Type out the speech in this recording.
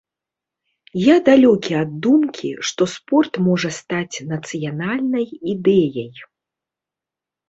Я далёкі ад думкі, што спорт можа стаць нацыянальнай ідэяй.